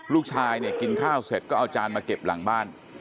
ลูกชายเนี่ยกินข้าวเสร็จก็เอาจานมาเก็บหลังบ้าน